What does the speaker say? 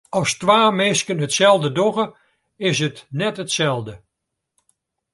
As twa minsken itselde dogge, is it net itselde.